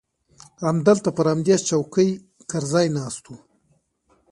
همدلته پر همدې چوکۍ کرزى ناست و.